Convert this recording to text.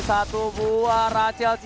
satu buah rachel